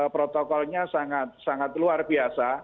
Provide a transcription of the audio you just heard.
protokolnya sangat luar biasa